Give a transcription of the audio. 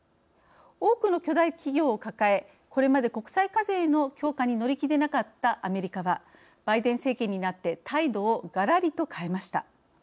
多くの巨大企業を抱えこれまで国際課税の強化に乗り気でなかったアメリカはバイデン政権になって態度をがらりと変えました。